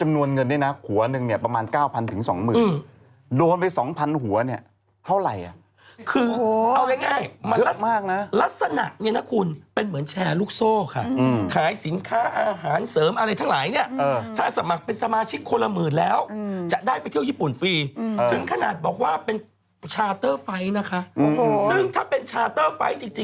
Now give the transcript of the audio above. เนี่ยนะหัวหนึ่งเนี่ยประมาณ๙๐๐๒๐๐๐โดนไป๒๐๐หัวเนี่ยเท่าไหร่อ่ะคือเอาง่ายมันรักมากนะลักษณะเนี่ยนะคุณเป็นเหมือนแชร์ลูกโซ่ค่ะขายสินค้าอาหารเสริมอะไรทั้งหลายเนี่ยถ้าสมัครเป็นสมาชิกคนละหมื่นแล้วจะได้ไปเที่ยวญี่ปุ่นฟรีถึงขนาดบอกว่าเป็นชาเตอร์ไฟล์นะคะซึ่งถ้าเป็นชาเตอร์ไฟล์จริง